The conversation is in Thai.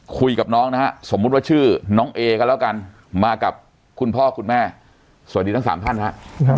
คุยกับน้องนะฮะสมมุติว่าชื่อน้องเอกันแล้วกันมากับคุณพ่อคุณแม่สวัสดีทั้งสามท่านครับ